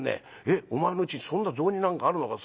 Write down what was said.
『えっお前のうちそんな雑煮なんかあるのか』。